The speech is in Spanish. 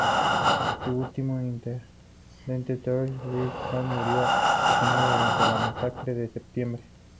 Su último intendente, Thierry de Ville-d'Avray, murió asesinado durante las Masacres de Septiembre.